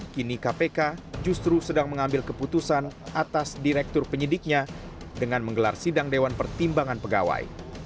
kini kpk justru sedang mengambil keputusan atas direktur penyidiknya dengan menggelar sidang dewan pertimbangan pegawai